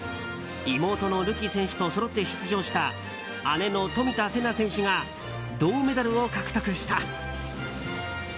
妹の、るき選手とそろって出場した姉の冨田せな選手が銅メダルを獲得した。